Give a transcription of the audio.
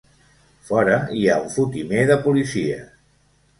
Fora hi ha un fotimer de policies.